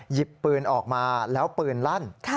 หยิบปืนออกมาแล้วปืนลั่น